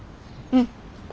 うん。